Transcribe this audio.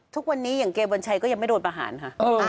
ทุกวันนี้อย่างเกวัญชัยก็ยังไม่โดนประหารค่ะ